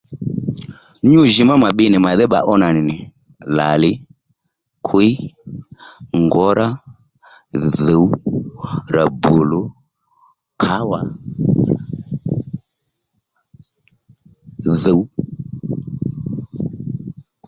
Nyû jì má mà bbinì màdhí bba ó nà nì nì lǎli, kwíy ngǒwra, dhùw, labolu kǎwà dhùw